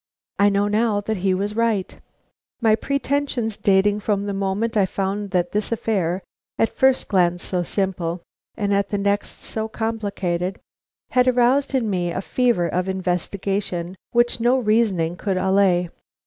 I now know he was right; my pretensions dating from the moment I found that this affair, at first glance so simple, and at the next so complicated, had aroused in me a fever of investigation which no reasoning could allay.